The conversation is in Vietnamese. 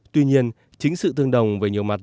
tuy nhiên chính sự tương đồng về nhiều mặt